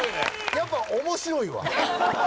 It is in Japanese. やっぱ面白いわ！